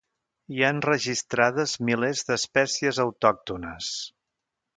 Hi ha enregistrades milers d'espècies autòctones.